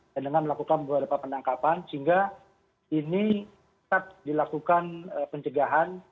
dan dengan melakukan beberapa penangkapan sehingga ini tetap dilakukan penjagaan